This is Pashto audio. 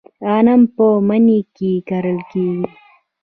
غنم په مني کې کرل کیږي.